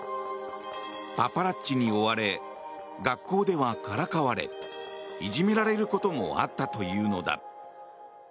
パパラッチに追われ学校ではからかわれいじめられることもあったというのだ。